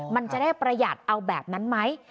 มันจะได้ประหยัดเอาแบบนั้นไหม